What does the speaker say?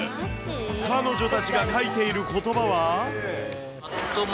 彼女たちが書いていることばは？